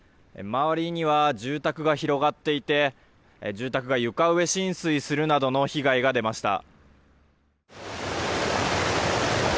周りには住宅が広がっていて住宅が床上浸水するなどの被害が出ました。